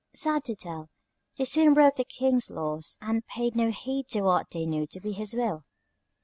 Sad to tell, they soon broke the King's laws, and paid no heed to what they knew to be his will.